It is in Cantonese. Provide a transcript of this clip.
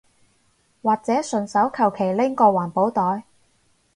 或者順手求其拎個環保袋